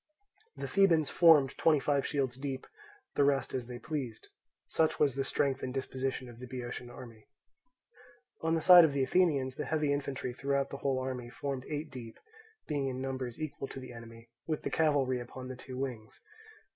The Thebans formed twenty five shields deep, the rest as they pleased. Such was the strength and disposition of the Boeotian army. On the side of the Athenians, the heavy infantry throughout the whole army formed eight deep, being in numbers equal to the enemy, with the cavalry upon the two wings.